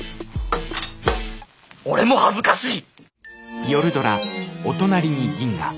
俺も恥ずかしい！